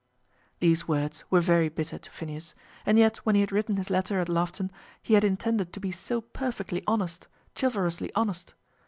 These words were very bitter to Phineas, and yet when he had written his letter at Loughton, he had intended to be so perfectly honest, chivalrously honest!